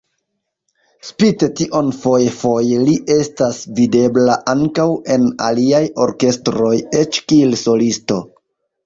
Spite tion foje-foje li estas videbla ankaŭ en aliaj orkestroj, eĉ kiel solisto.